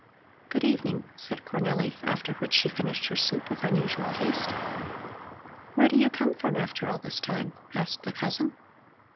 "Good evening," said Cornelli, after which she finished her soup with unusual haste. "Where do you come from after all this time?" asked the cousin.